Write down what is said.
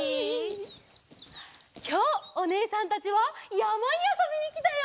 きょうおねえさんたちはやまにあそびにきたよ！